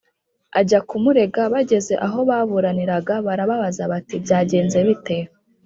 ajya kumurega bageze aho baburaniraga barababaza bati byagenze bite?